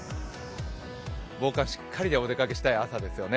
防寒しっかりでお出かけしたい朝ですよね。